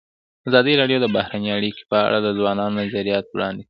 ازادي راډیو د بهرنۍ اړیکې په اړه د ځوانانو نظریات وړاندې کړي.